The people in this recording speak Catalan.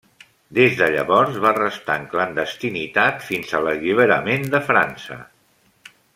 Des de llavors va restar en clandestinitat fins a l'alliberament de França.